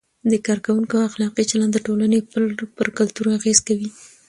د کارکوونکو اخلاقي چلند د ټولنې پر کلتور اغیز کوي.